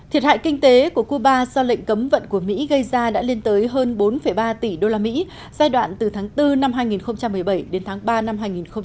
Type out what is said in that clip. thiệt hại kinh tế của cuba do lệnh cấm vận của mỹ gây ra đã lên tới hơn bốn ba tỷ usd giai đoạn từ tháng bốn năm hai nghìn một mươi bảy đến tháng ba năm hai nghìn một mươi tám